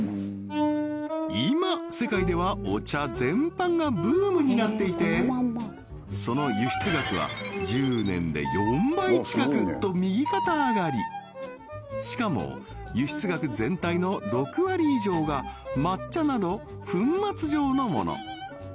今世界ではお茶全般がブームになっていてその輸出額は１０年で４倍近くと右肩上がりしかも輸出額全体の６割以上が抹茶など粉末状のもの